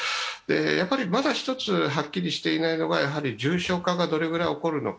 やはりまだ１つはっきりていないのが重症化がどれくらい起こるのか。